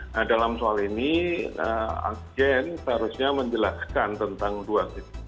nah dalam soal ini agen seharusnya menjelaskan tentang dua